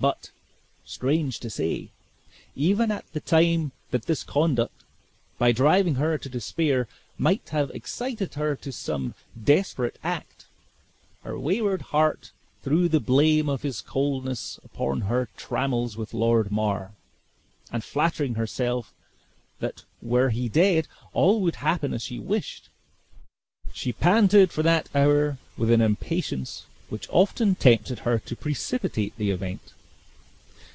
But, strange to say, even at the time that this conduct, by driving her to despair, might have excited her to some desperate act, her wayward heart threw the blame of his coldness upon her trammels with Lord Mar, and flattering herself that were he dead, all would happen as she wished, she panted for that hour with an impatience which often tempted her to precipitate the event.